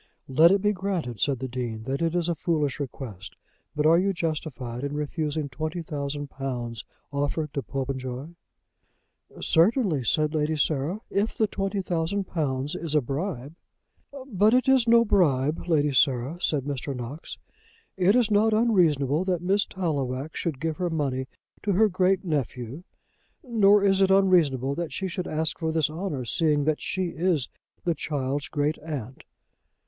"Let it be granted," said the Dean, "that it is a foolish request; but are you justified in refusing twenty thousand pounds offered to Popenjoy?" "Certainly," said Lady Sarah, "if the twenty thousand pounds is a bribe." "But it is no bribe, Lady Sarah," said Mr. Knox. "It is not unreasonable that Miss Tallowax should give her money to her great nephew, nor is it unreasonable that she should ask for this honour, seeing that she is the child's great aunt."